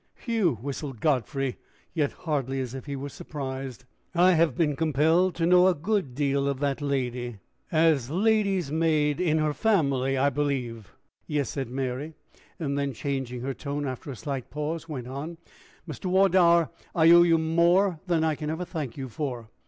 "Whew!" whistled Godfrey, yet hardly as if he were surprised. "I have been compelled to know a good deal of that lady." "As lady's maid in her family, I believe." "Yes," said Mary then changing her tone after a slight pause, went on: "Mr. Wardour, I owe you more than I can ever thank you for.